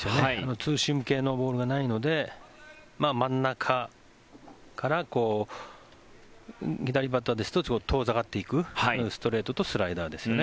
ツーシーム系のボールがないので真ん中から左バッターですと遠ざかっていくストレートとスライダーですね。